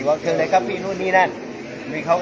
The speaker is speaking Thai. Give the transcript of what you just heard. สวัสดีครับพี่เบนสวัสดีครับ